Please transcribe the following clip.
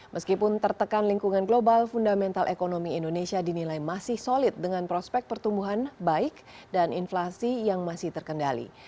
meskipun tertekan lingkungan global fundamental ekonomi indonesia dinilai masih solid dengan prospek pertumbuhan baik dan inflasi yang masih terkendali